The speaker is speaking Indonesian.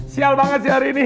sial banget sih hari ini